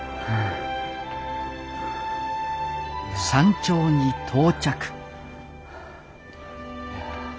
山頂に到着